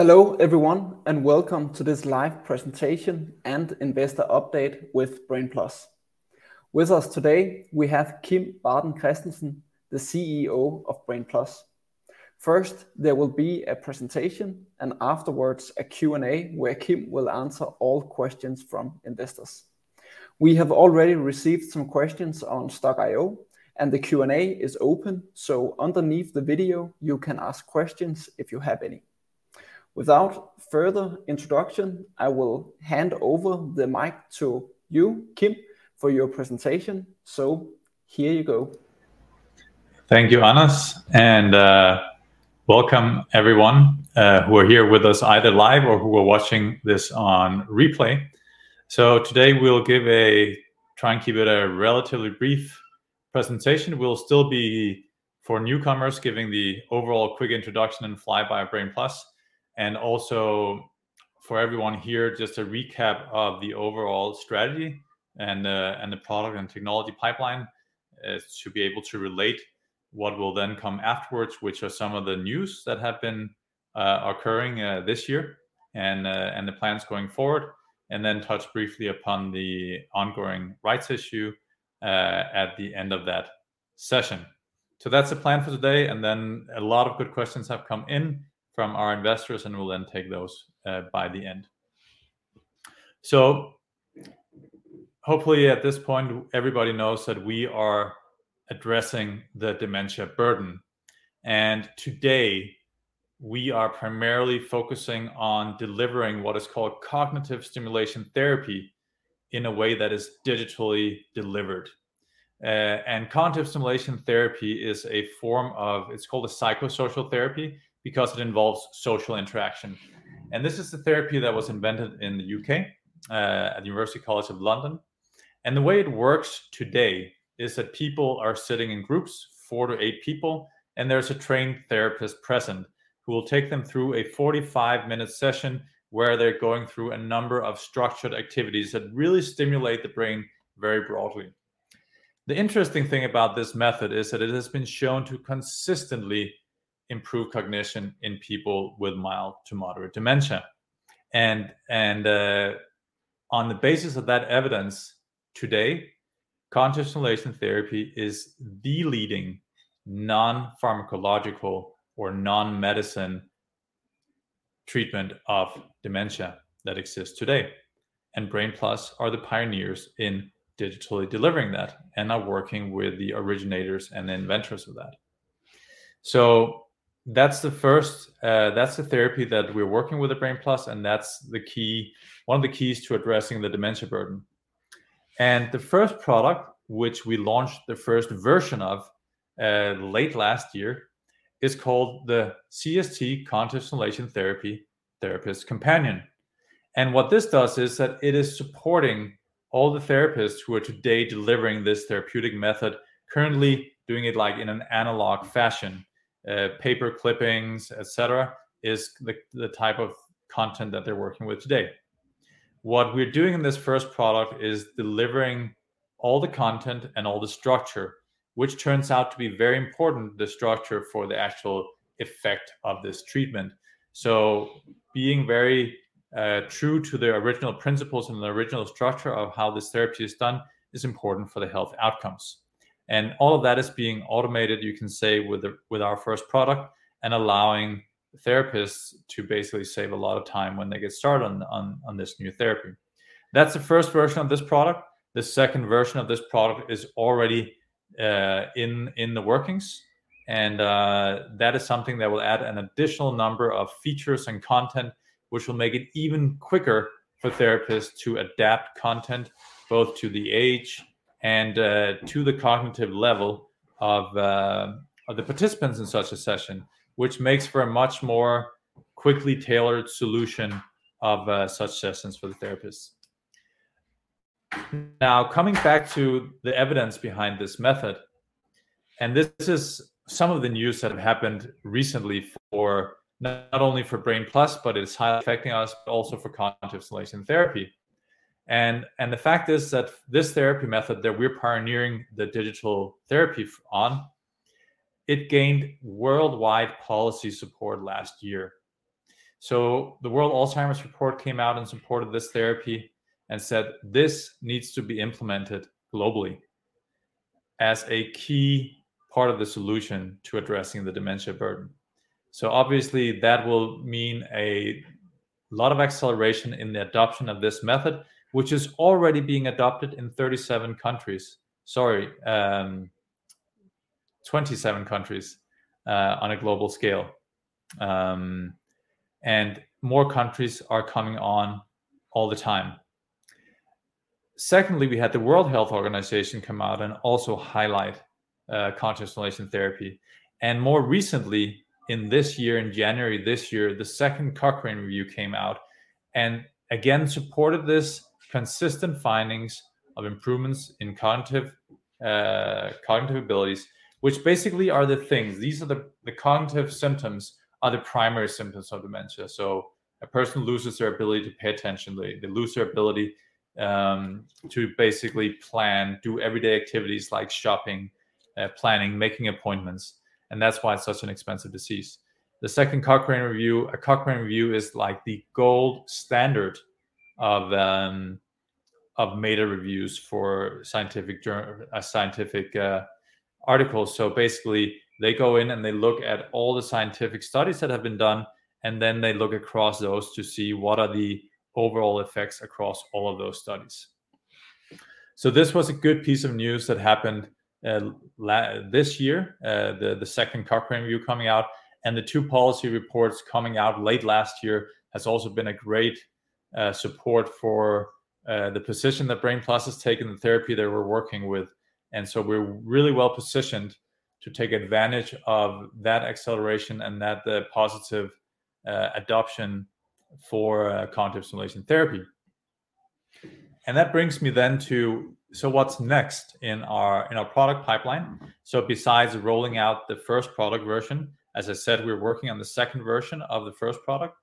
Hello everyone, and welcome to this live presentation and investor update with Brain+. With us today we have Kim Baden-Kristensen, the CEO of Brain+. First, there will be a presentation, and afterwards a Q&A where Kim will answer all questions from investors. We have already received some questions on Stokk.io, and the Q&A is open, so underneath the video you can ask questions if you have any. Without further introduction, I will hand over the mic to you, Kim, for your presentation. Here you go. Thank you, Anders. Welcome everyone who are here with us either live or who are watching this on replay. Today we'll give a try and keep it a relatively brief presentation. We'll still be for newcomers, giving the overall quick introduction and flyby of Brain+. Also for everyone here, just a recap of the overall strategy and the product and technology pipeline to be able to relate what will then come afterwards, which are some of the news that have been occurring this year and the plans going forward. Touch briefly upon the ongoing rights issue at the end of that session. That's the plan for today. A lot of good questions have come in from our investors, and we'll then take those by the end. Hopefully at this point, everybody knows that we are addressing the dementia burden, and today we are primarily focusing on delivering what is called Cognitive Stimulation Therapy in a way that is digitally delivered. Cognitive Stimulation Therapy is a form of, it's called a psychosocial therapy because it involves social interaction. This is the therapy that was invented in the U.K. at University College London. The way it works today is that people are sitting in groups, four to eight people, and there's a trained therapist present who will take them through a 45-minute session where they're going through a number of structured activities that really stimulate the brain very broadly. The interesting thing about this method is that it has been shown to consistently improve cognition in people with mild to moderate dementia. On the basis of that evidence, today, cognitive stimulation therapy is the leading non-pharmacological or non-medicine treatment of dementia that exists today. Brain+ are the pioneers in digitally delivering that and are working with the originators and inventors of that. That's the first, that's the therapy that we're working with at Brain+ and that's the key, one of the keys to addressing the dementia burden. The first product which we launched the first version of late last year, is called the CST Cognitive Stimulation Therapy-Therapist Companion. What this does is that it is supporting all the therapists who are today delivering this therapeutic method, currently doing it like in an analog fashion, paper clippings, et cetera, is the type of content that they're working with today. What we're doing in this first product is delivering all the content and all the structure, which turns out to be very important, the structure for the actual effect of this treatment. Being very true to their original principles and the original structure of how this therapy is done is important for the health outcomes. All of that is being automated, you can say with our first product and allowing therapists to basically save a lot of time when they get started on this new therapy. That's the first version of this product. The second version of this product is already in the workings. That is something that will add an additional number of features and content, which will make it even quicker for therapists to adapt content both to the age and to the cognitive level of the participants in such a session, which makes for a much more quickly tailored solution of such sessions for the therapists. Now, coming back to the evidence behind this method, and this is some of the news that have happened recently for not only for Brain+, but is highly affecting us also for cognitive stimulation therapy. The fact is that this therapy method that we're pioneering the digital therapy on, it gained worldwide policy support last year. The World Alzheimer Report came out in support of this therapy and said this needs to be implemented globally as a key part of the solution to addressing the dementia burden. Obviously that will mean a lot of acceleration in the adoption of this method, which is already being adopted in 37 countries. Sorry, 27 countries on a global scale. More countries are coming on all the time. Secondly, we had the World Health Organization come out and also highlight cognitive stimulation therapy. More recently in this year, in January this year, the second Cochrane review came out and again supported this consistent findings of improvements in cognitive abilities, which basically are the things, the cognitive symptoms are the primary symptoms of dementia. A person loses their ability to pay attention. They lose their ability to basically plan, do everyday activities like shopping. Planning, making appointments, and that's why it's such an expensive disease. The second Cochrane review, a Cochrane review is like the gold standard of meta reviews for scientific articles. Basically, they go in and they look at all the scientific studies that have been done, and then they look across those to see what are the overall effects across all of those studies. This was a good piece of news that happened this year, the second Cochrane review coming out, and the two policy reports coming out late last year has also been a great support for the position that Brain+ has taken, the therapy that we're working with. We're really well positioned to take advantage of that acceleration and that, the positive adoption for cognitive stimulation therapy. That brings me then to what's next in our product pipeline? Besides rolling out the first product version, as I said, we're working on the second version of the first product.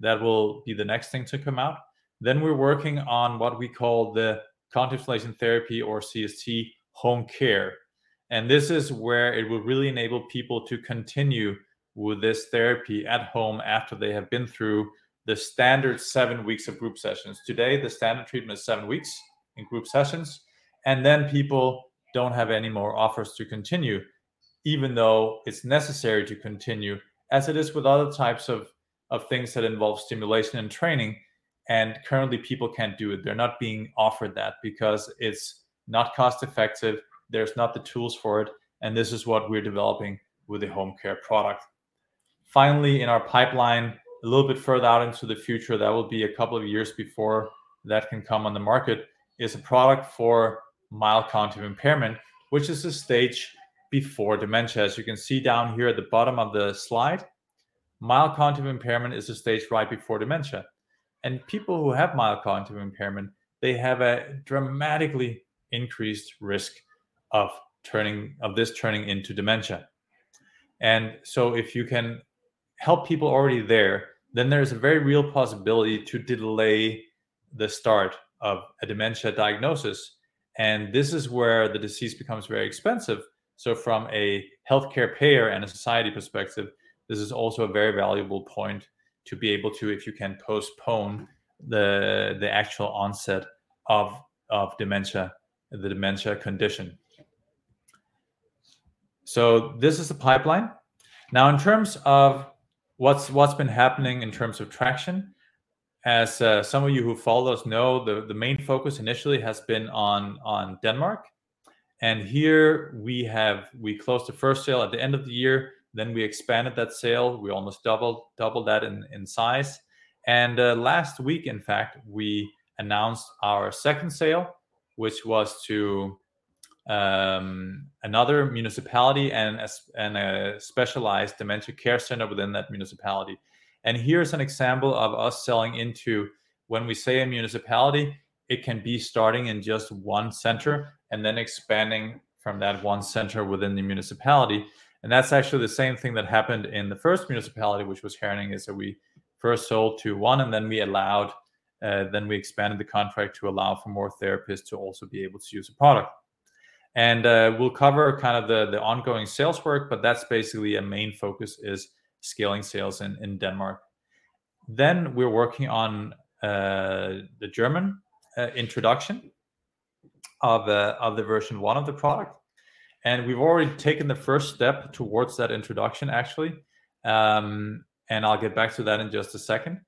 That will be the next thing to come out. We're working on what we call the cognitive stimulation therapy or CST-Home Care, and this is where it will really enable people to continue with this therapy at home after they have been through the standard seven weeks of group sessions. Today, the standard treatment is seven weeks in group sessions, and then people don't have any more offers to continue, even though it's necessary to continue, as it is with other types of things that involve stimulation and training, and currently people can't do it. They're not being offered that because it's not cost-effective, there's not the tools for it, and this is what we're developing with the home care product. Finally, in our pipeline, a little bit further out into the future, that will be two years before that can come on the market, is a product for mild cognitive impairment, which is the stage before dementia. As you can see down here at the bottom of the slide, mild cognitive impairment is the stage right before dementia. People who have mild cognitive impairment, they have a dramatically increased risk of this turning into Dementia. If you can help people already there, then there's a very real possibility to delay the start of a Dementia diagnosis, and this is where the disease becomes very expensive. From a healthcare payer and a society perspective, this is also a very valuable point to be able to, if you can postpone the actual onset of Dementia, the Dementia condition. This is the pipeline. Now in terms of what's been happening in terms of traction, as some of you who follow us know, the main focus initially has been on Denmark. Here we closed the first sale at the end of the year, then we expanded that sale. We almost doubled that in size. Last week, in fact, we announced our second sale, which was to another municipality and a specialized dementia care center within that municipality. Here's an example of us selling into, when we say a municipality, it can be starting in just one center and then expanding from that one center within the municipality, and that's actually the same thing that happened in the first municipality, which was Herning, is that we first sold to one, then we expanded the contract to allow for more therapists to also be able to use the product. We'll cover kind of the ongoing sales work, but that's basically a main focus is scaling sales in Denmark. We're working on the German introduction of the version one of the product, and we've already taken the first step towards that introduction, actually. I'll get back to that in just a second.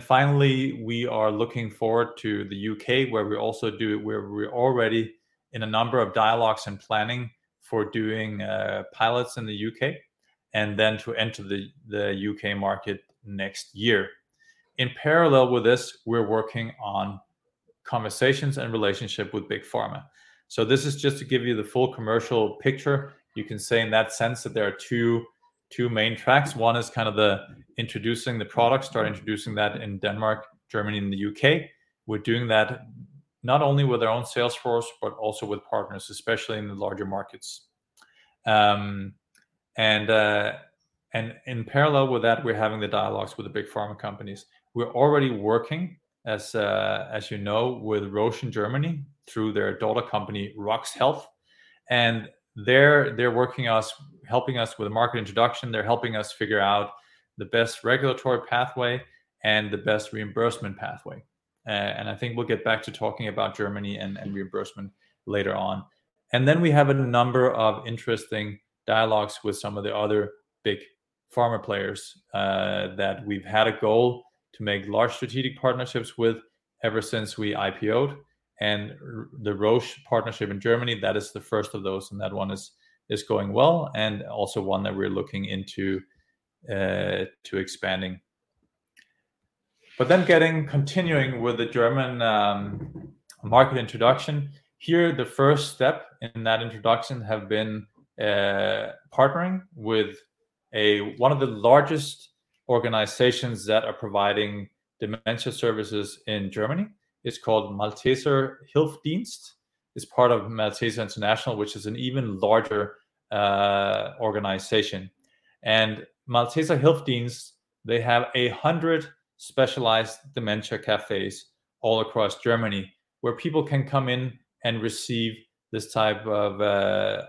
Finally, we are looking forward to the U.K., where we also do, where we're already in a number of dialogues and planning for doing pilots in the U.K., and then to enter the U.K. market next year. In parallel with this, we're working on conversations and relationship with big pharma. This is just to give you the full commercial picture. You can say in that sense that there are two main tracks. One is kind of the introducing the product, start introducing that in Denmark, Germany, and the U.K. We're doing that not only with our own sales force, but also with partners, especially in the larger markets. In parallel with that, we're having the dialogues with the big pharma companies. We're already working, as you know, with Roche in Germany through their daughter company, RoX Health. They're working us, helping us with market introduction. They're helping us figure out the best regulatory pathway and the best reimbursement pathway. I think we'll get back to talking about Germany and reimbursement later on. Then we have a number of interesting dialogues with some of the other big pharma players, that we've had a goal to make large strategic partnerships with ever since we IPO'd. The Roche partnership in Germany, that is the first of those, and that one is going well, and also one that we're looking into to expanding. Getting, continuing with the German market introduction, here the first step in that introduction have been partnering with one of the largest organizations that are providing dementia services in Germany. It's called Malteser Hilfsdienst. It's part of Malteser International, which is an even larger organization. Malteser Hilfsdienst, they have 100 specialized dementia cafes all across Germany where people can come in and receive this type of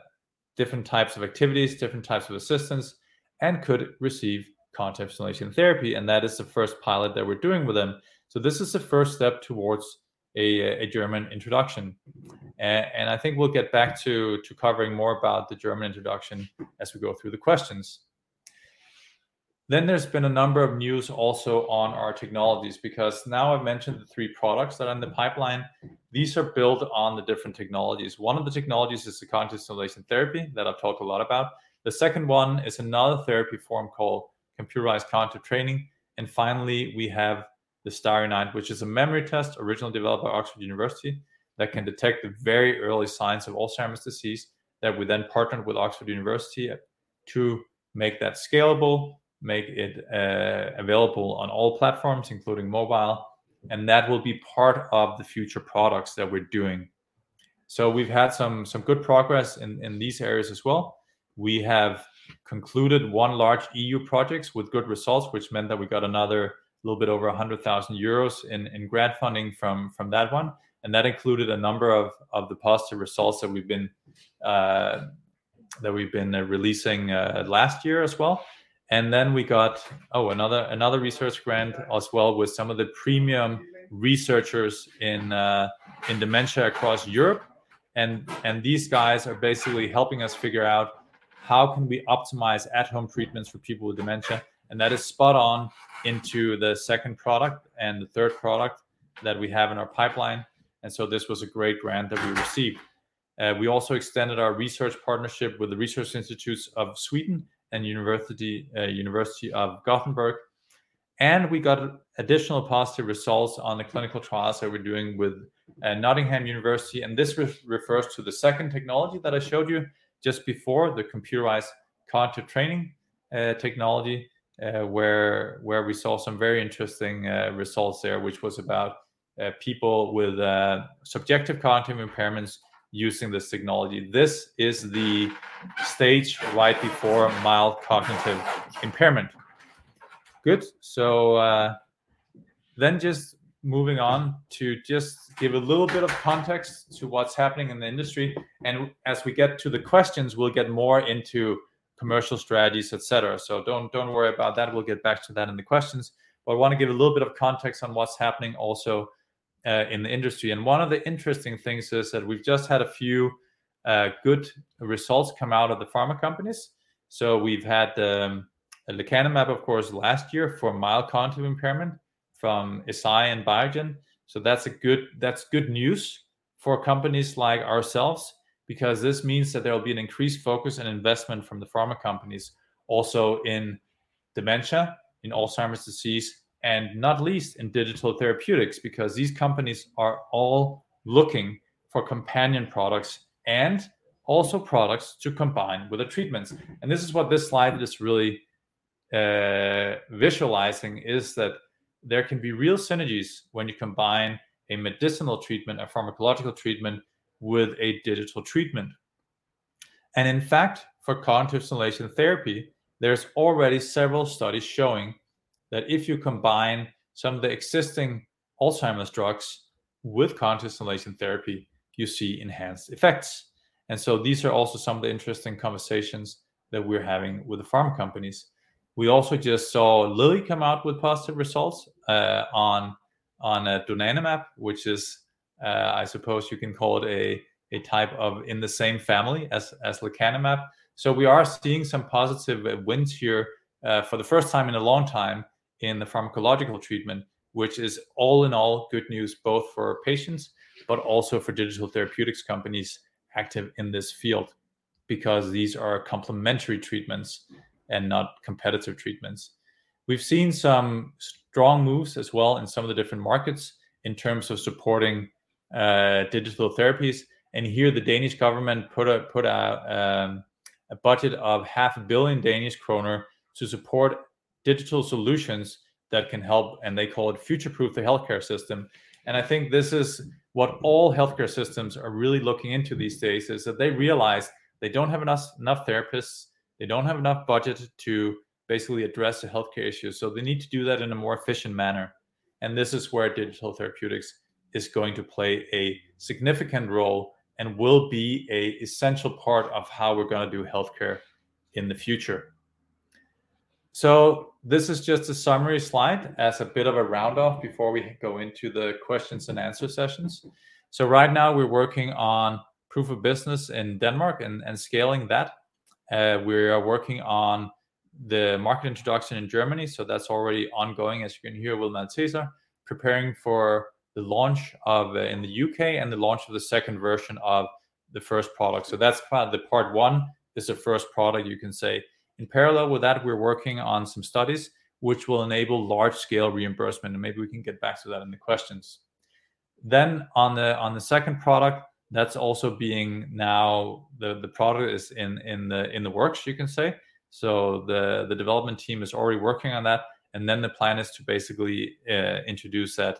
different types of activities, different types of assistance, and could receive cognitive stimulation therapy, and that is the first pilot that we're doing with them. This is the first step towards a German introduction. I think we'll get back to covering more about the German introduction as we go through the questions. There's been a number of news also on our technologies, because now I've mentioned the three products that are in the pipeline. These are built on the different technologies. One of the technologies is the cognitive stimulation therapy that I've talked a lot about. The second one is another therapy form called computerized cognitive training. Finally, we have the Starry Night, which is a memory test originally developed by University of Oxford that can detect the very early signs of Alzheimer's disease that we then partnered with University of Oxford to make that scalable, make it available on all platforms, including mobile, and that will be part of the future products that we're doing. We've had some good progress in these areas as well. We have concluded one large EU project with good results, which meant that we got another little bit over 100,000 euros in grant funding from that one, and that included a number of the positive results that we've been releasing last year as well. We got another research grant as well with some of the premium researchers in dementia across Europe and these guys are basically helping us figure out how can we optimize at-home treatments for people with dementia, and that is spot on into the second product and the third product that we have in our pipeline, and so this was a great grant that we received. We also extended our research partnership with the Research Institutes of Sweden and University of Gothenburg. We got additional positive results on the clinical trials that we're doing with University of Nottingham. This refers to the second technology that I showed you just before, the computerized cognitive training technology, where we saw some very interesting results there, which was about people with subjective cognitive impairments using this technology. This is the stage right before mild cognitive impairment. Good? Just moving on to just give a little bit of context to what's happening in the industry. As we get to the questions, we'll get more into commercial strategies, et cetera. Don't worry about that. We'll get back to that in the questions. I want to give a little bit of context on what's happening also in the industry. One of the interesting things is that we've just had a few good results come out of the pharma companies. We've had lecanemab, of course, last year for mild cognitive impairment from Eisai and Biogen. That's good news for companies like ourselves because this means that there will be an increased focus and investment from the pharma companies also in dementia, in Alzheimer's disease, and not least in digital therapeutics, because these companies are all looking for companion products and also products to combine with the treatments. This is what this slide is really visualizing, is that there can be real synergies when you combine a medicinal treatment, a pharmacological treatment with a digital treatment. In fact, for cognitive stimulation therapy, there's already several studies showing that if you combine some of the existing Alzheimer's drugs with cognitive stimulation therapy, you see enhanced effects. These are also some of the interesting conversations that we're having with the pharma companies. We also just saw Lilly come out with positive results on donanemab, which is I suppose you can call it a type of in the same family as lecanemab. We are seeing some positive wins here for the first time in a long time in the pharmacological treatment, which is all in all good news both for patients but also for digital therapeutics companies active in this field, because these are complementary treatments and not competitive treatments. We've seen some strong moves as well in some of the different markets in terms of supporting digital therapeutics, and here the Danish government put a budget of half a billion Danish kroner to support digital solutions that can help, and they call it future-proof the healthcare system. I think this is what all healthcare systems are really looking into these days, is that they realize they don't have enough therapists, they don't have enough budget to basically address the healthcare issues, so they need to do that in a more efficient manner, and this is where digital therapeutics is going to play a significant role and will be a essential part of how we're going to do healthcare in the future. This is just a summary slide as a bit of a round off before we go into the questions and answer sessions. Right now we're working on proof of business in Denmark and scaling that. We are working on the market introduction in Germany, so that's already ongoing, as you can hear, with Malteser, preparing for the launch in the U.K. and the launch of the second version of the first product. That's kind of the part one is the first product, you can say. In parallel with that, we're working on some studies which will enable large-scale reimbursement, and maybe we can get back to that in the questions. On the second product, the product is in the works, you can say. The development team is already working on that. The plan is to basically introduce that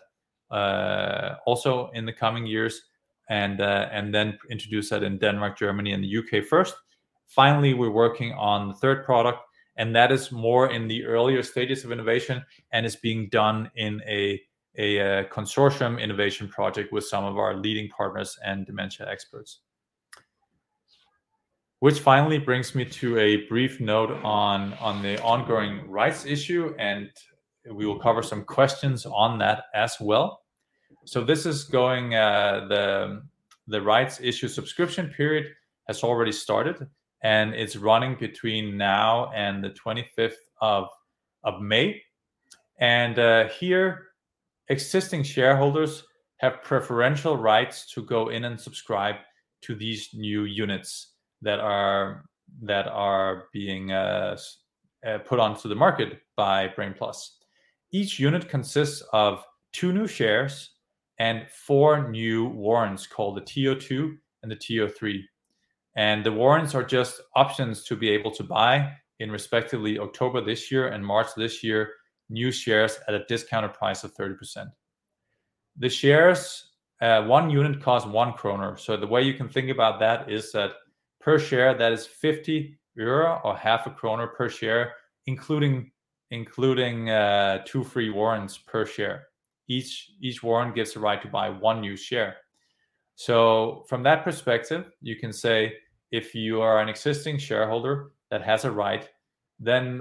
also in the coming years and then introduce that in Denmark, Germany, and the U.K. first. Finally, we're working on the third product, and that is more in the earlier stages of innovation and is being done in a consortium innovation project with some of our leading partners and dementia experts. Which finally brings me to a brief note on the ongoing rights issue, and we will cover some questions on that as well. This is going, the rights issue subscription period has already started, and it's running between now and the 25th of May. Here existing shareholders have preferential rights to go in and subscribe to these new units that are being put onto the market by Brain+. Each unit consists of two new shares and four new warrants called the TO 2 and the TO 3, and the warrants are just options to be able to buy in respectively October this year and March this year new shares at a discounted price of 30%. The shares, one unit costs 1 kroner. The way you can think about that is that per share that is 50 euro or DDK 0.50 per share including two free warrants per share. Each warrant gets the right to buy one new share. From that perspective you can say if you are an existing shareholder that has a right, then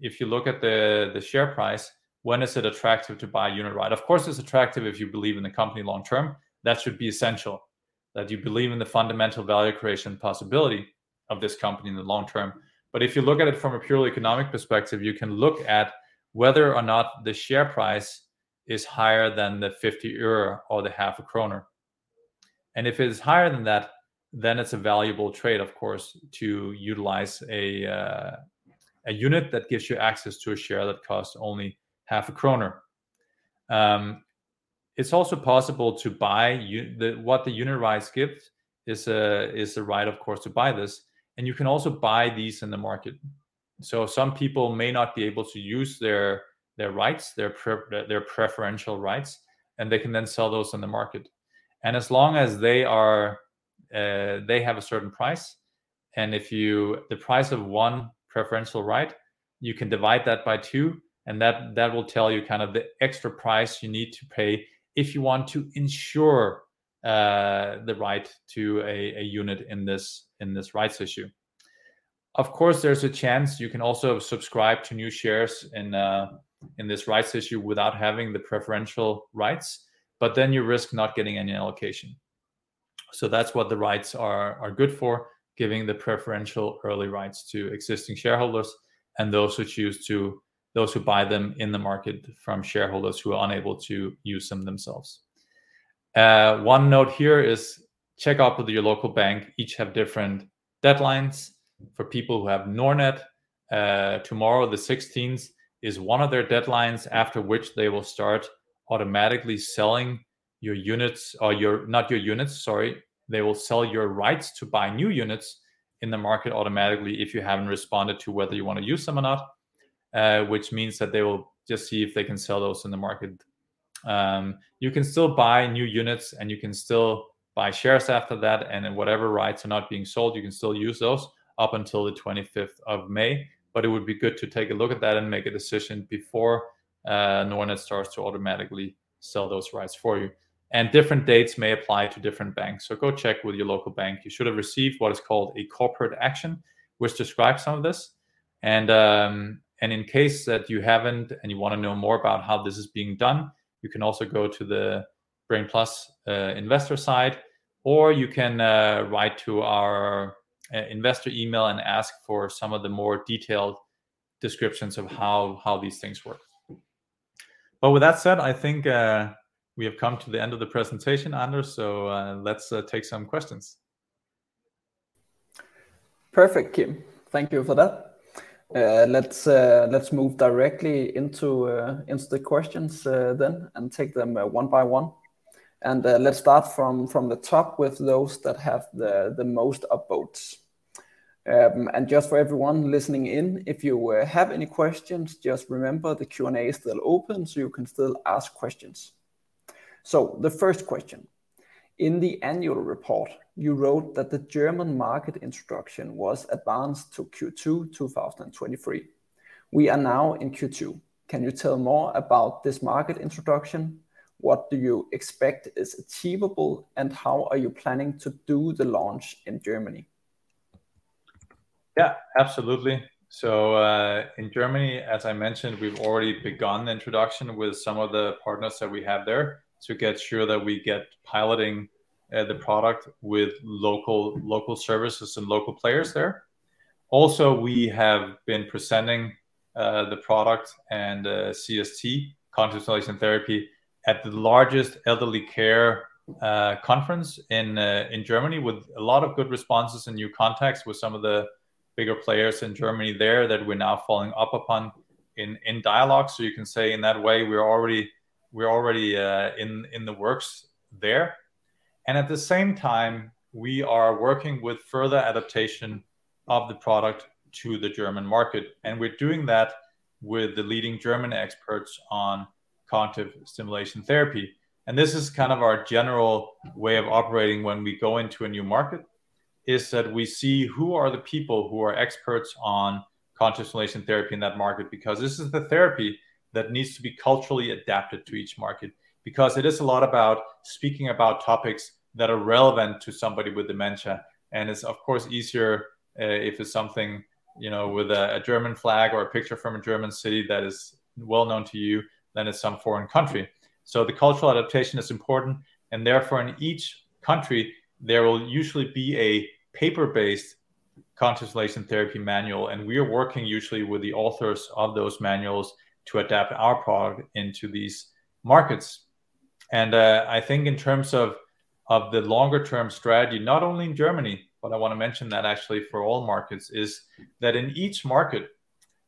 if you look at the share price, when is it attractive to buy a unit right? Of course, it's attractive if you believe in the company long term. That should be essential, that you believe in the fundamental value creation possibility of this company in the long term. If you look at it from a purely economic perspective, you can look at whether or not the share price is higher than the 50 euro or DKK 0.50. If it is higher than that, then it's a valuable trade of course to utilize a unit that gives you access to a share that costs only half a kroner. It's also possible to buy the, what the unit rights gives is the right of course to buy this, and you can also buy these in the market. Some people may not be able to use their rights, their preferential rights, and they can then sell those on the market. As long as they are, they have a certain price and the price of one preferential right, you can divide that by two and that will tell you kind of the extra price you need to pay if you want to ensure the right to a unit in this rights issue. Of course, there's a chance you can also subscribe to new shares in this rights issue without having the preferential rights, but then you risk not getting any allocation. That's what the rights are good for, giving the preferential early rights to existing shareholders and those who buy them in the market from shareholders who are unable to use them themselves. One note here is check out with your local bank, each have different deadlines. For people who have Nordnet, tomorrow the 16th is one of their deadlines after which they will start automatically selling your rights to buy new units in the market automatically if you haven't responded to whether you want to use them or not, which means that they will just see if they can sell those in the market. You can still buy new units and you can still buy shares after that, and then whatever rights are not being sold you can still use those up until the 25th of May. It would be good to take a look at that and make a decision before Nordnet starts to automatically sell those rights for you. Different dates may apply to different banks. Go check with your local bank. You should have received what is called a corporate action which describes some of this, and in case that you haven't and you want to know more about how this is being done, you can also go to the Brain+ investor side or you can write to our investor email and ask for some of the more detailed descriptions of how these things work. With that said, I think, we have come to the end of the presentation, Anders. Let's take some questions. Perfect, Kim. Thank you for that. Let's move directly into the questions then and take them one by one. Let's start from the top with those that have the most upvotes. Just for everyone listening in, if you have any questions just remember the Q&A is still open, so you can still ask questions. The first question, in the annual report you wrote that the German market introduction was advanced to Q2 2023. We are now in Q2. Can you tell more about this market introduction? What do you expect is achievable, and how are you planning to do the launch in Germany? Absolutely. In Germany, as I mentioned, we've already begun the introduction with some of the partners that we have there to get sure that we get piloting the product with local services and local players there. Also, we have been presenting the product and CST, cognitive stimulation therapy, at the largest elderly care conference in Germany with a lot of good responses and new contacts with some of the bigger players in Germany there that we're now following up upon in dialogue. You can say in that way we're already in the works there. At the same time, we are working with further adaptation of the product to the German market, and we're doing that with the leading German experts on cognitive stimulation therapy. This is kind of our general way of operating when we go into a new market, is that we see who are the people who are experts on cognitive stimulation therapy in that market, because this is the therapy that needs to be culturally adapted to each market. It is a lot about speaking about topics that are relevant to somebody with dementia, and it's of course easier, you know, if it's something with a German flag or a picture from a German city that is well known to you than in some foreign country. The cultural adaptation is important and therefore in each country there will usually be a paper-based cognitive stimulation therapy manual, and we are working usually with the authors of those manuals to adapt our product into these markets. I think in terms of the longer term strategy, not only in Germany, but I wanna mention that actually for all markets, is that in each market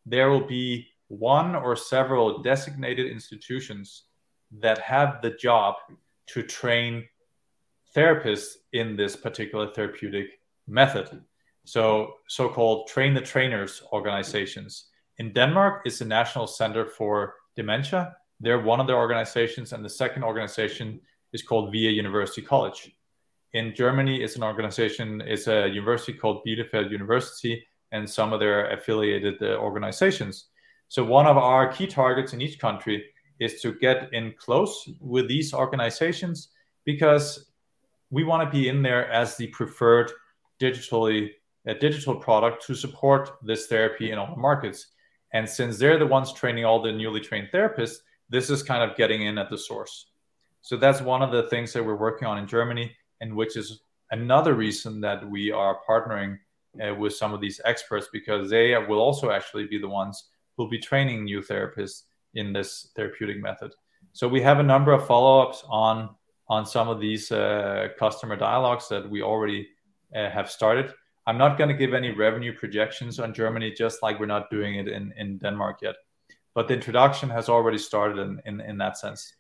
there will be one or several designated institutions that have the job to train therapists in this particular therapeutic method, so so-called train-the-trainer organizations. In Denmark, it's the Danish Dementia Research Centre. They're one of the organizations, and the second organization is called VIA University College. In Germany, it's an organization, it's a university called Bielefeld University and some of their affiliated organizations. One of our key targets in each country is to get in close with these organizations because we wanna be in there as the preferred digitally digital product to support this therapy in all the markets. Since they're the ones training all the newly trained therapists, this is kind of getting in at the source. That's one of the things that we're working on in Germany and which is another reason that we are partnering with some of these experts because they will also actually be the ones who will be training new therapists in this therapeutic method. We have a number of follow-ups on some of these customer dialogues that we already have started. I'm not gonna give any revenue projections on Germany, just like we're not doing it in Denmark yet, but the introduction has already started in that sense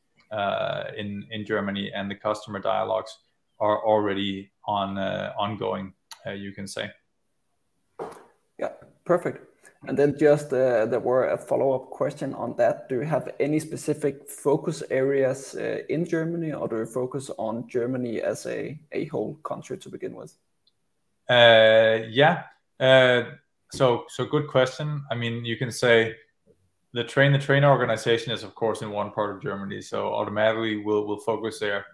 in Germany and the customer dialogues are already ongoing, you can say. Yeah. Perfect. Then just, there were a follow-up question on that. Do you have any specific focus areas in Germany, or do you focus on Germany as a whole country to begin with? Yeah. I mean, you can say the train-the-trainer organization is of course in one part of Germany, so automatically we'll focus there.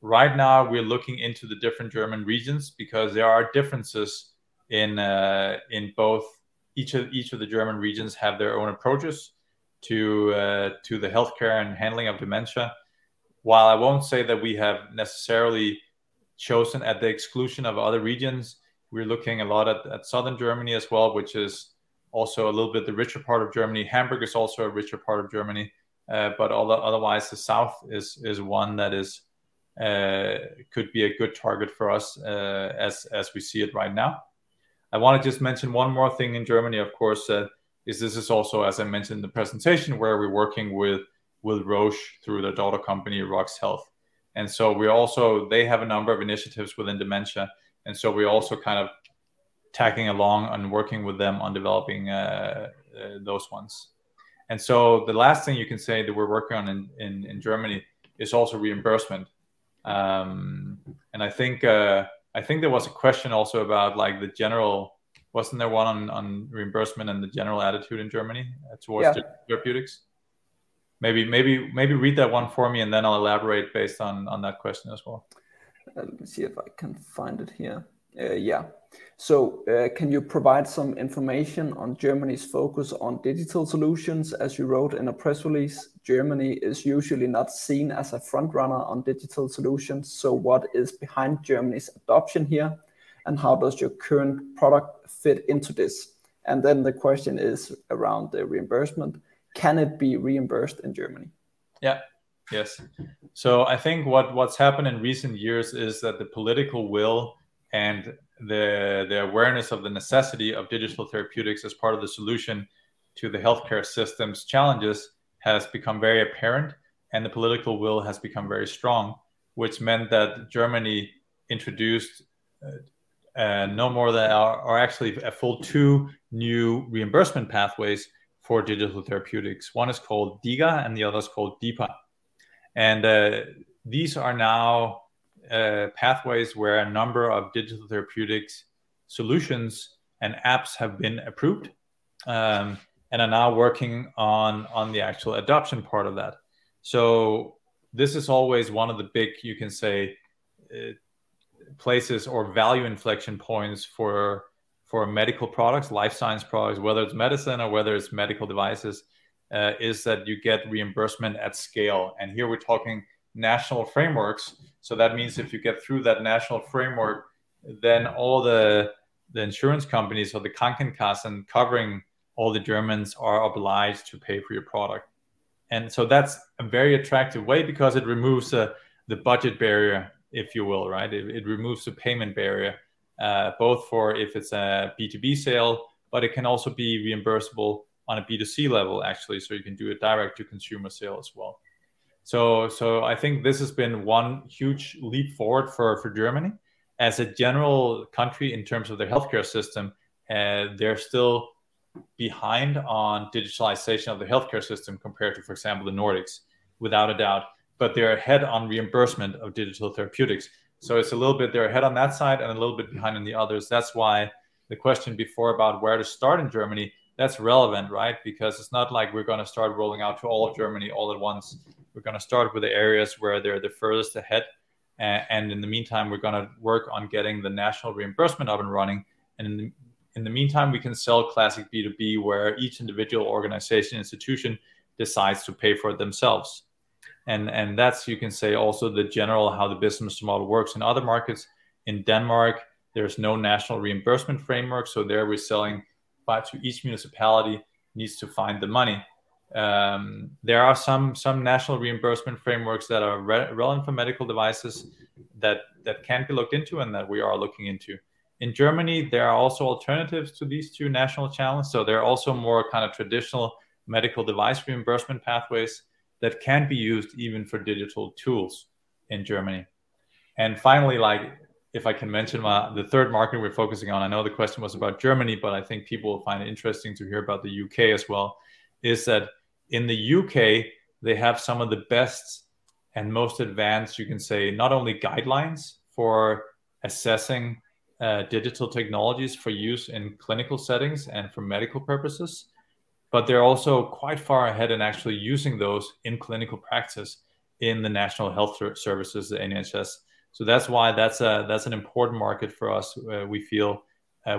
Right now we're looking into the different German regions because there are differences in both each of the German regions have their own approaches to the healthcare and handling of dementia. While I won't say that we have necessarily chosen at the exclusion of other regions, we're looking a lot at Southern Germany as well, which is also a little bit the richer part of Germany. Hamburg is also a richer part of Germany. Otherwise the south is one that could be a good target for us as we see it right now. I wanna just mention one more thing in Germany, of course, this is also, as I mentioned in the presentation, where we're working with Roche through their daughter company, RoX Health. They have a number of initiatives within dementia, and so we're also kind of tagging along and working with them on developing those ones. The last thing you can say that we're working on in Germany is also reimbursement. I think there was a question also about reimbursement and the general attitude in Germany? Yeah Therapeutics? Maybe read that one for me and then I'll elaborate based on that question as well. Let me see if I can find it here. Yeah. Can you provide some information on Germany's focus on digital solutions? As you wrote in a press release, Germany is usually not seen as a front runner on digital solutions. What is behind Germany's adoption here, and how does your current product fit into this? The question is around the reimbursement. Can it be reimbursed in Germany? Yeah. Yes. I think what's happened in recent years is that the political will and the awareness of the necessity of digital therapeutics as part of the solution to the healthcare system's challenges has become very apparent, and the political will has become very strong, which meant that Germany introduced, no more than, or actually a full two new reimbursement pathways for digital therapeutics. One is called DiGA and the other is called DiPA. These are now pathways where a number of digital therapeutics solutions and apps have been approved, and are now working on the actual adoption part of that. This is always one of the big, you can say, places or value inflection points for medical products, life science products, whether it's medicine or whether it's medical devices, is that you get reimbursement at scale. Here we're talking national frameworks, so that means if you get through that national framework, then all the insurance companies or the Krankenkassen covering all the Germans are obliged to pay for your product. That's a very attractive way because it removes the budget barrier, if you will, right? It removes the payment barrier, both for if it's a B2B sale, but it can also be reimbursable on a B2C level actually, so you can do a direct to consumer sale as well. I think this has been one huge leap forward for Germany. As a general country in terms of their healthcare system, they're still behind on digitalization of the healthcare system compared to, for example, the Nordics, without a doubt, but they're ahead on reimbursement of digital therapeutics. It's a little bit they're ahead on that side and a little bit behind on the others. That's why the question before about where to start in Germany, that's relevant, right? It's not like we're gonna start rolling out to all of Germany all at once. We're gonna start with the areas where they're the furthest ahead, and in the meantime, we're gonna work on getting the national reimbursement up and running. In the meantime, we can sell classic B2B where each individual organization, institution decides to pay for it themselves. That's, you can say also the general how the business model works in other markets. In Denmark, there's no national reimbursement framework, so there we're selling by to each municipality needs to find the money. There are some national reimbursement frameworks that are relevant for medical devices that can be looked into and that we are looking into. In Germany, there are also alternatives to these two national channels, so there are also more kind of traditional medical device reimbursement pathways that can be used even for digital tools in Germany. Finally, like if I can mention the third market we're focusing on, I know the question was about Germany, but I think people will find it interesting to hear about the U.K. as well, is that in the U.K. they have some of the best and most advanced, you can say, not only guidelines for assessing digital technologies for use in clinical settings and for medical purposes, but they're also quite far ahead in actually using those in clinical practice in the National Health Service, the NHS. That's why that's an important market for us, we feel,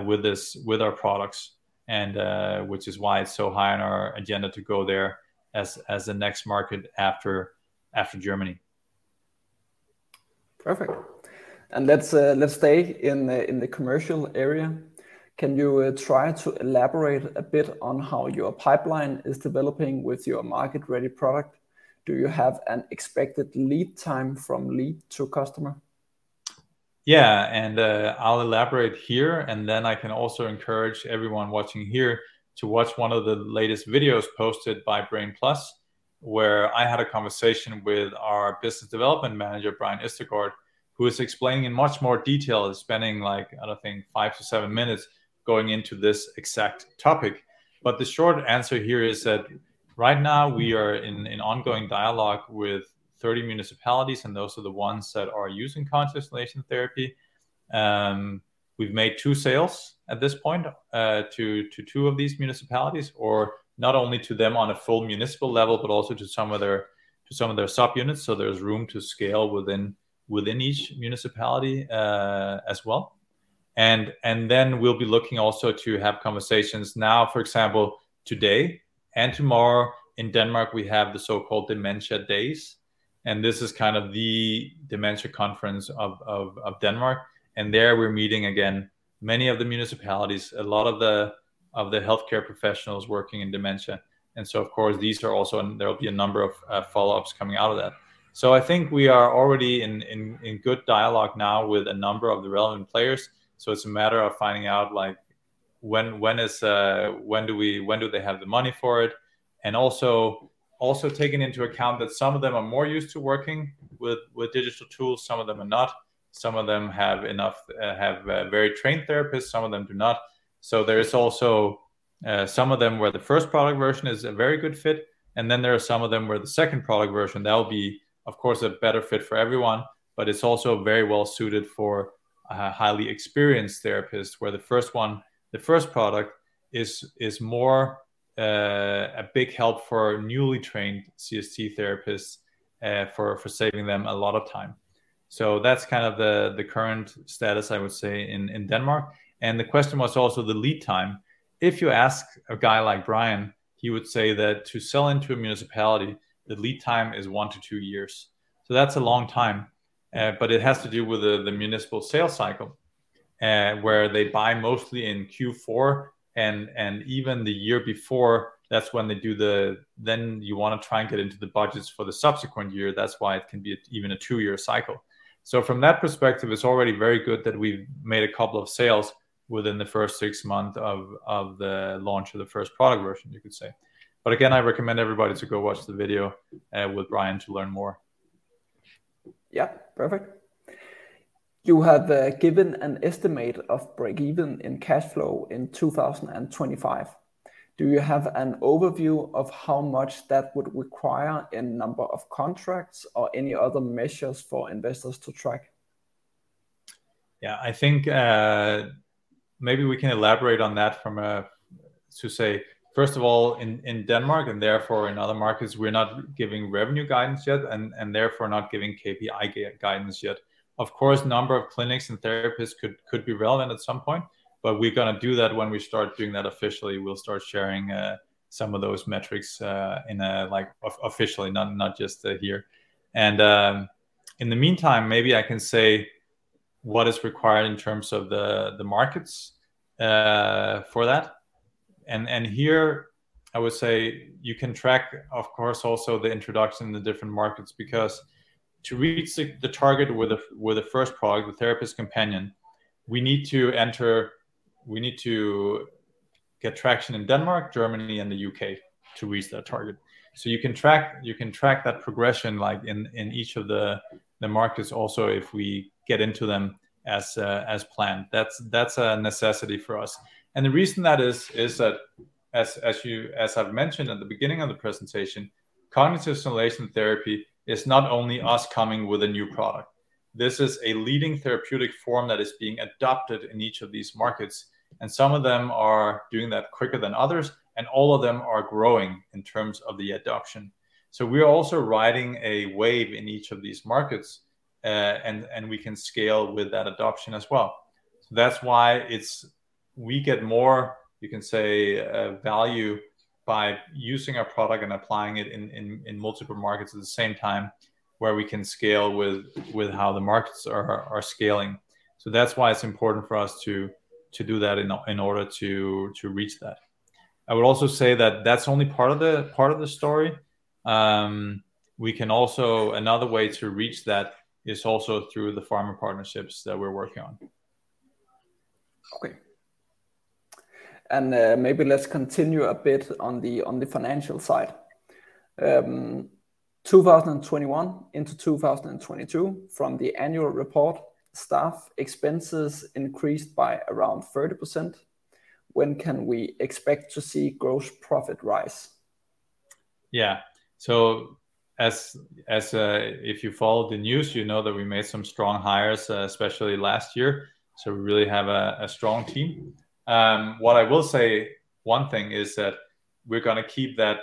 with this, with our products and, which is why it's so high on our agenda to go there as the next market after Germany. Perfect. Let's stay in the, in the commercial area. Can you try to elaborate a bit on how your pipeline is developing with your market-ready product? Do you have an expected lead time from lead to customer? I'll elaborate here, then I can also encourage everyone watching here to watch one of the latest videos posted by Brain+, where I had a conversation with our Business Development Manager, Brian Østergaard, who is explaining in much more detail and spending like, I don't think, five to seven minutes going into this exact topic. The short answer here is that right now we are in ongoing dialogue with 30 municipalities, and those are the ones that are using conscious sedation therapy. We've made two sales at this point to two of these municipalities, or not only to them on a full municipal level, but also to some of their subunits, so there's room to scale within each municipality as well. Then we'll be looking also to have conversations, now for example, today and tomorrow in Denmark we have the so-called Dementia Days, this is kind of the dementia conference of Denmark. There we're meeting again many of the municipalities, a lot of the healthcare professionals working in dementia. Of course these are also. There will be a number of follow-ups coming out of that. I think we are already in good dialogue now with a number of the relevant players, so it's a matter of finding out like when do they have the money for it? Also taking into account that some of them are more used to working with digital tools, some of them are not. Some of them have enough, have very trained therapists, some of them do not. There is also some of them where the first product version is a very good fit, and then there are some of them where the second product version, that will be, of course, a better fit for everyone, but it's also very well suited for a highly experienced therapist, where the first one, the first product is more a big help for newly trained CST therapists, for saving them a lot of time. That's kind of the current status, I would say, in Denmark. The question was also the lead time. If you ask a guy like Brian, he would say that to sell into a municipality, the lead time is one to two years. That's a long time. It has to do with the municipal sales cycle, where they buy mostly in Q4 and even the year before, that's when they do then you wanna try and get into the budgets for the subsequent year, that's why it can be even a two-year cycle. From that perspective, it's already very good that we've made a couple of sales within the first six months of the launch of the first product version, you could say. Again, I recommend everybody to go watch the video, with Brian to learn more. Yeah. Perfect. You have given an estimate of break even in cash flow in 2025. Do you have an overview of how much that would require in number of contracts or any other measures for investors to track? Yeah. I think, maybe we can elaborate on that to say, first of all, in Denmark and therefore in other markets, we're not giving revenue guidance yet and therefore not giving KPI guidance yet. Of course, number of clinics and therapists could be relevant at some point, but we're gonna do that when we start doing that officially, we'll start sharing some of those metrics in a like officially, not just here. In the meantime, maybe I can say what is required in terms of the markets for that. Here I would say you can track, of course, also the introduction in the different markets because to reach the target with the first product, the Therapist Companion, we need to get traction in Denmark, Germany, and the U.K. to reach that target. You can track that progression like in each of the markets also if we get into them as planned. That's a necessity for us. The reason that is that as I've mentioned at the beginning of the presentation, cognitive stimulation therapy is not only us coming with a new product. This is a leading therapeutic form that is being adopted in each of these markets, and some of them are doing that quicker than others, and all of them are growing in terms of the adoption. We're also riding a wave in each of these markets, and we can scale with that adoption as well. That's why we get more, you can say, value by using our product and applying it in multiple markets at the same time where we can scale with how the markets are scaling. That's why it's important for us to do that in order to reach that. I would also say that that's only part of the story. Another way to reach that is also through the pharma partnerships that we're working on. Okay. Maybe let's continue a bit on the, on the financial side. 2021 into 2022, from the annual report, staff expenses increased by around 30%. When can we expect to see gross profit rise? Yeah. As if you followed the news, you know that we made some strong hires, especially last year, so we really have a strong team. What I will say, one thing is that we're gonna keep that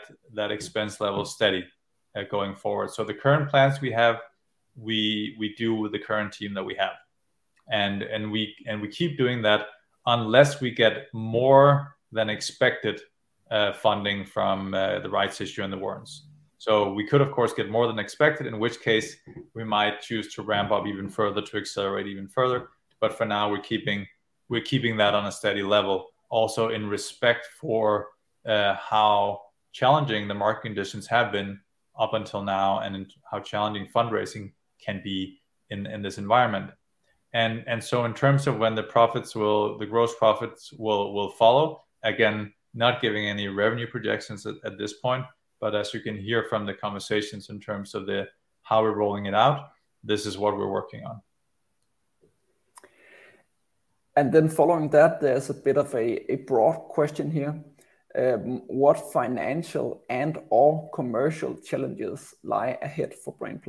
expense level steady going forward. The current plans we have, we do with the current team that we have and we keep doing that unless we get more than expected funding from the rights issue and the warrants. We could, of course, get more than expected, in which case we might choose to ramp up even further to accelerate even further. For now, we're keeping that on a steady level also in respect for how challenging the market conditions have been up until now how challenging fundraising can be in this environment. In terms of when the profits the gross profits will follow, again, not giving any revenue projections at this point, but as you can hear from the conversations in terms of the how we're rolling it out, this is what we're working on. Following that, there's a bit of a broad question here. What financial and/or commercial challenges lie ahead for Brain+?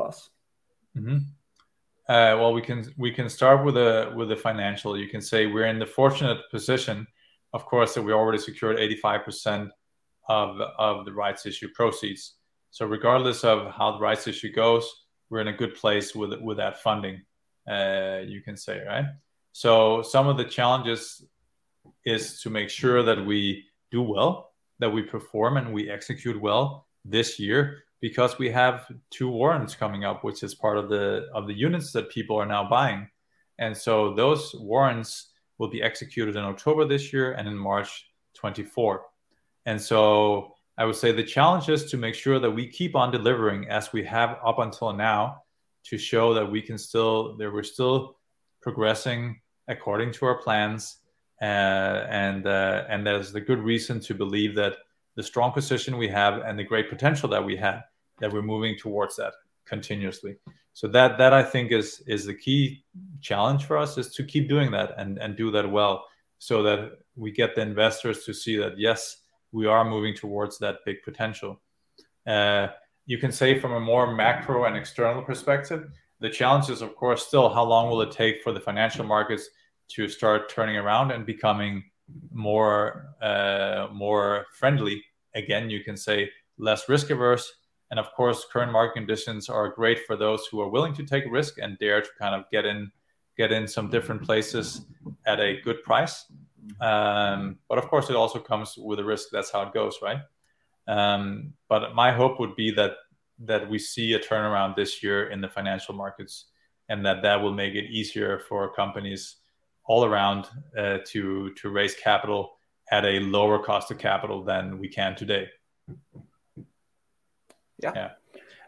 Well, we can start with the financial. You can say we're in the fortunate position, of course, that we already secured 85% of the rights issue proceeds. Regardless of how the rights issue goes, we're in a good place with that funding, you can say, right? Some of the challenges is to make sure that we do well, that we perform and we execute well this year because we have two warrants coming up, which is part of the units that people are now buying. Those warrants will be executed in October this year and in March 2024. I would say the challenge is to make sure that we keep on delivering as we have up until now to show that we're still progressing according to our plans, and there's the good reason to believe that the strong position we have and the great potential that we have, that we're moving towards that continuously. That I think is the key challenge for us is to keep doing that and do that well so that we get the investors to see that, yes, we are moving towards that big potential. You can say from a more macro and external perspective, the challenge is of course still how long will it take for the financial markets to start turning around and becoming more friendly. Again, you can say less risk-averse. Of course, current market conditions are great for those who are willing to take risk and dare to kind of get in some different places at a good price. Of course, it also comes with a risk. That's how it goes, right? My hope would be that we see a turnaround this year in the financial markets, and that will make it easier for companies all around to raise capital at a lower cost of capital than we can today. Yeah. Yeah.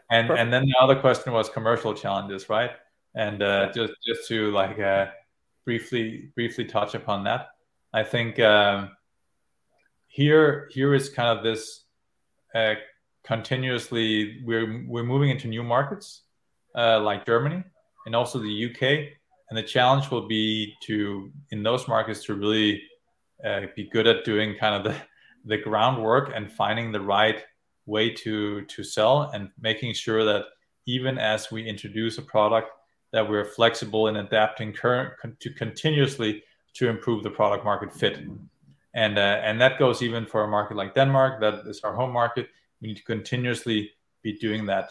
Then the other question was commercial challenges, right? Just to like briefly touch upon that, I think, here is kind of this continuously we're moving into new markets, like Germany and also the U.K., and the challenge will be to, in those markets, to really be good at doing kind of the groundwork and finding the right way to sell and making sure that even as we introduce a product, that we're flexible in adapting to continuously to improve the product market fit. That goes even for a market like Denmark, that is our home market. We need to continuously be doing that,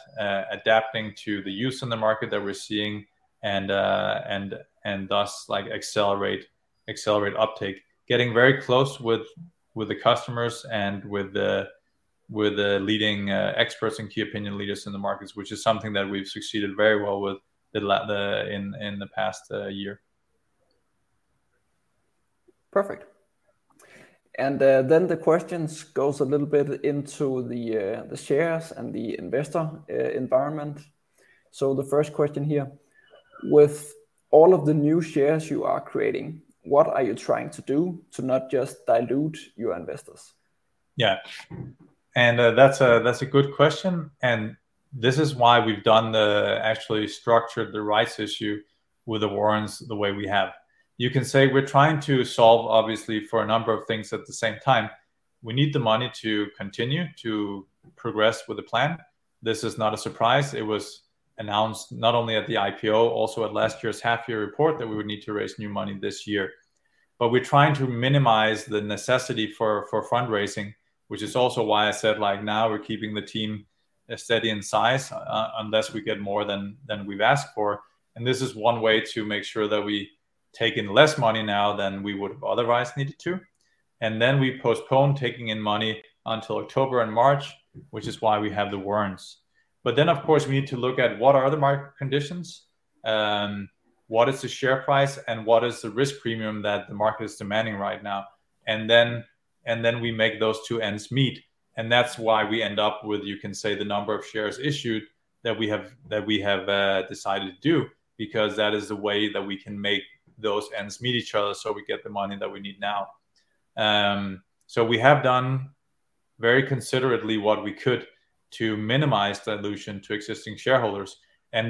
adapting to the use in the market that we're seeing and thus like accelerate uptake. Getting very close with the customers and with the leading experts and key opinion leaders in the markets, which is something that we've succeeded very well with the in the past year. Perfect. The questions goes a little bit into the shares and the investor environment. The first question here, with all of the new shares you are creating, what are you trying to do to not just dilute your investors? Yeah. That's a good question, this is why we've done the actually structured the rights issue with the warrants the way we have. You can say we're trying to solve obviously for a number of things at the same time. We need the money to continue to progress with the plan. This is not a surprise. It was announced not only at the IPO, also at last year's half year report that we would need to raise new money this year. We're trying to minimize the necessity for fundraising, which is also why I said, like now we're keeping the team steady in size unless we get more than we've asked for. This is one way to make sure that we take in less money now than we would've otherwise needed to. We postpone taking in money until October and March, which is why we have the warrants. Of course, we need to look at what are the market conditions, what is the share price, and what is the risk premium that the market is demanding right now? We make those two ends meet, and that's why we end up with, you can say, the number of shares issued that we have decided to do because that is the way that we can make those ends meet each other so we get the money that we need now. We have done very considerately what we could to minimize dilution to existing shareholders.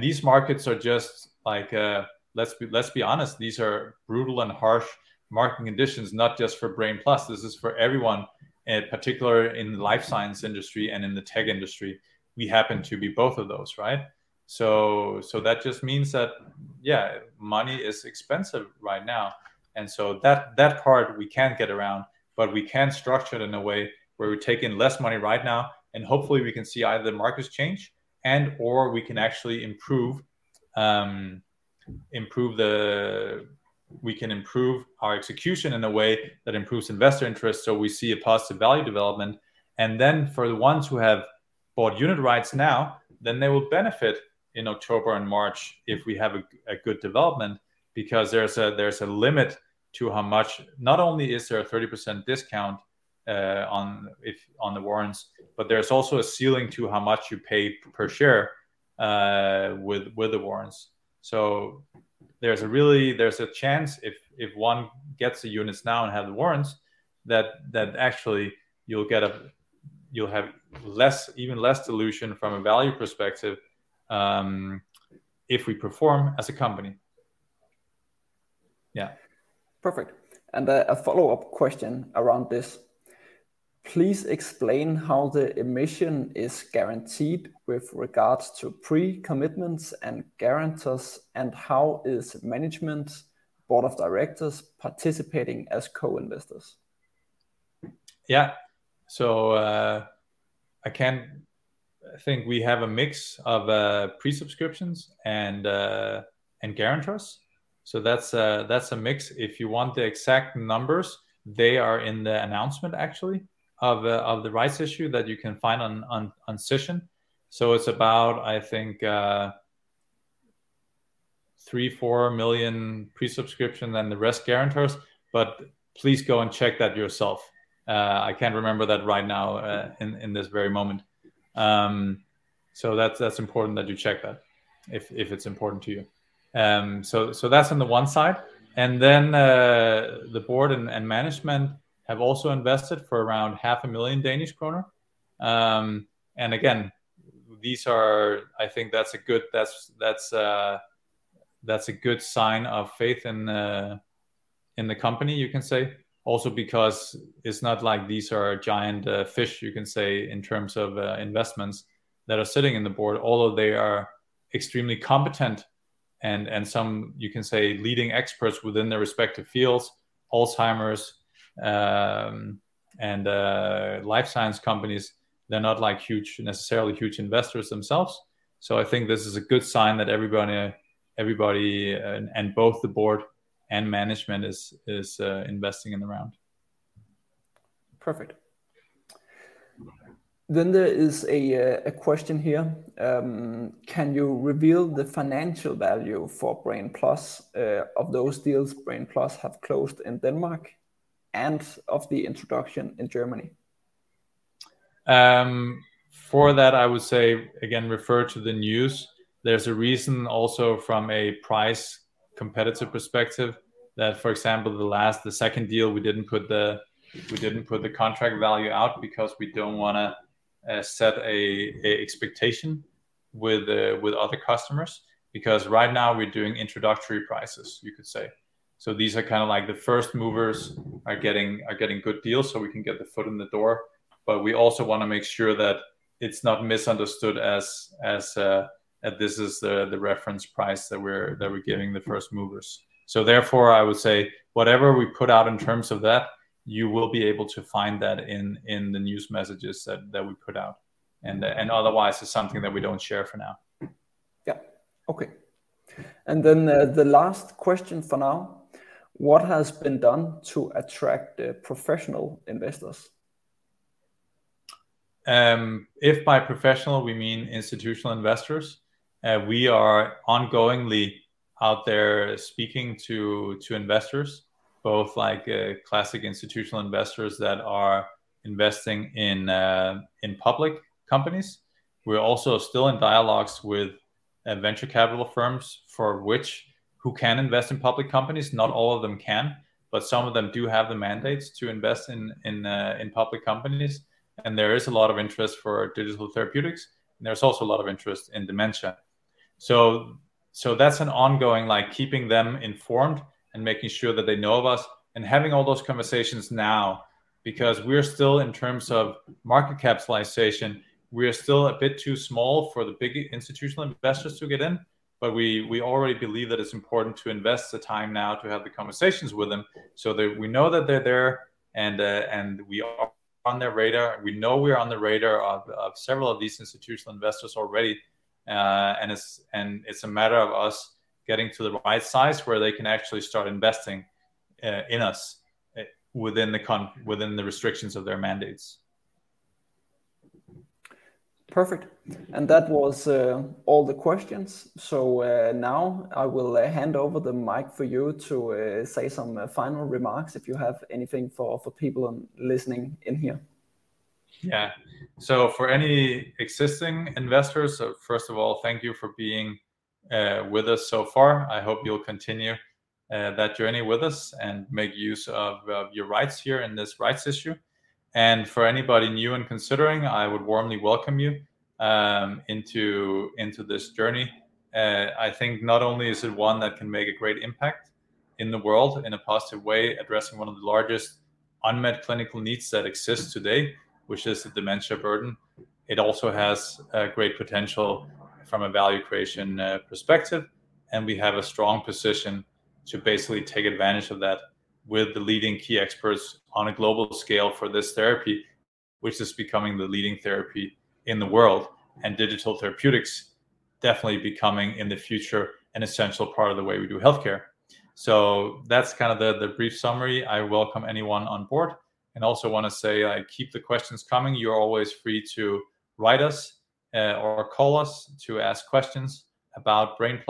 These markets are just like, let's be honest, these are brutal and harsh market conditions, not just for Brain+, this is for everyone, in particular in the life science industry and in the tech industry. We happen to be both of those, right? That just means that money is expensive right now. That part we can't get around, but we can structure it in a way where we take in less money right now, and hopefully we can see either the markets change and/or we can actually improve, we can improve our execution in a way that improves investor interest, so we see a positive value development. For the ones who have bought unit rights now, they will benefit in October and March if we have a good development because there's a limit to how much. Not only is there a 30% discount on the warrants, but there's also a ceiling to how much you pay per share with the warrants. There's a really there's a chance if one gets the units now and have the warrants, that actually you'll have less, even less dilution from a value perspective if we perform as a company. Yeah. Perfect. A follow-up question around this. Please explain how the emission is guaranteed with regards to pre-commitments and guarantors, and how is management board of directors participating as co-investors? I think we have a mix of pre-subscriptions and guarantors. That's a mix. If you want the exact numbers, they are in the announcement actually of the rights issue that you can find on Cision. It's about, I think, 3 million, 4 million pre-subscription, then the rest guarantors. Please go and check that yourself. I can't remember that right now in this very moment. That's important that you check that if it's important to you. That's on the one side. The board and management have also invested for around half a million Danish kroner. Again, I think that's a good sign of faith in the company, you can say. Also because it's not like these are giant fish, you can say, in terms of investments that are sitting in the board, although they are extremely competent and some, you can say, leading experts within their respective fields, Alzheimer's, and life science companies. They're not like huge, necessarily huge investors themselves. I think this is a good sign that everybody and both the board and management is investing in the round. Perfect. There is a question here. Can you reveal the financial value for Brain+, of those deals Brain+ have closed in Denmark and of the introduction in Germany? For that I would say again, refer to the news. There's a reason also from a price competitive perspective that, for example, the last, the second deal we didn't put the contract value out because we don't wanna set an expectation with other customers, because right now we're doing introductory prices, you could say. These are kinda like the first movers are getting good deals, so we can get the foot in the door. We also wanna make sure that it's not misunderstood as that this is the reference price that we're giving the first movers. Therefore, I would say whatever we put out in terms of that, you will be able to find that in the news messages that we put out. Otherwise, it's something that we don't share for now. Yeah. Okay. The last question for now, what has been done to attract professional investors? we mean institutional investors, we are ongoingly out there speaking to investors, both classic institutional investors that are investing in public companies. We are also still in dialogues with venture capital firms who can invest in public companies. Not all of them can, but some of them do have the mandates to invest in public companies, and there is a lot of interest for digital therapeutics, and there is also a lot of interest in dementia. That's an ongoing, like, keeping them informed and making sure that they know of us and having all those conversations now because we're still, in terms of market capitalization, we are still a bit too small for the big institutional investors to get in, but we already believe that it's important to invest the time now to have the conversations with them so that we know that they're there and we are on their radar. We know we're on the radar of several of these institutional investors already. It's a matter of us getting to the right size where they can actually start investing, in us, within the restrictions of their mandates. Perfect. That was all the questions. Now I will hand over the mic for you to say some final remarks if you have anything for people listening in here. Yeah. For any existing investors, first of all, thank you for being with us so far. I hope you'll continue that journey with us and make use of your rights here in this rights issue. For anybody new and considering, I would warmly welcome you into this journey. I think not only is it one that can make a great impact in the world in a positive way, addressing one of the largest unmet clinical needs that exists today, which is the dementia burden, it also has a great potential from a value creation perspective. We have a strong position to basically take advantage of that with the leading key experts on a global scale for this therapy, which is becoming the leading therapy in the world, digital therapeutics definitely becoming, in the future, an essential part of the way we do healthcare. That's kind of the brief summary. I welcome anyone on board. Also wanna say, keep the questions coming. You're always free to write us, or call us to ask questions about Brain+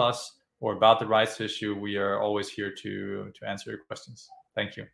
or about the rights issue. We are always here to answer your questions. Thank you.